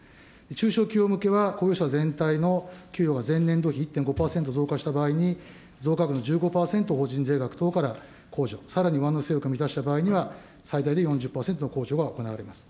中小企業向けは、前年比１．５％を増加した場合に、増加分の１５％を法人税額等から控除、さらに上乗せ要件を満たした場合には、最大で４０％の控除が行われます。